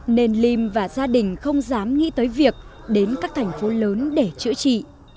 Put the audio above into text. nên lim và gia đình không dám nghĩ tới việc đến các thành phố lớn để chữa trị